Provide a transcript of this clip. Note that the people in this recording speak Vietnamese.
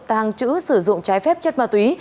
tàng trữ sử dụng trái phép chất ma túy